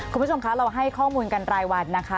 คุณผู้ชมคะเราให้ข้อมูลกันรายวันนะคะ